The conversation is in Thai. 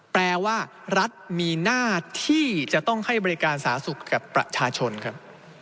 แปลว่ารัฐมีหน้าที่จะต้องให้บริการสาธารณสุขกับประชาชนครับ